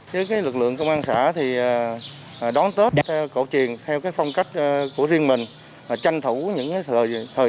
với lực lượng công an xã thì đón tết cổ truyền theo phong cách của riêng mình tranh thủ những thời